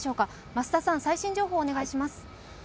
増田さん、最新情報をお願いします